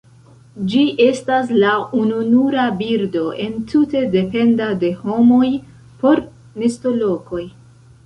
Ĝi estas la ununura birdo entute dependa de homoj por nestolokoj.